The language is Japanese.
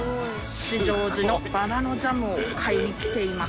吉祥寺のバラのジャムを買いに来ています。